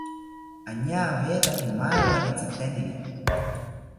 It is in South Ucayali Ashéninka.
Añawetaki maaweni tziteniri